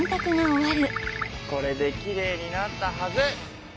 これできれいになったはず。